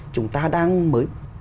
chúng ta đang gặp một số người